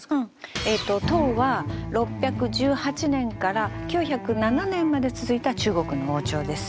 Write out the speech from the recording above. えっと唐は６１８年から９０７年まで続いた中国の王朝です。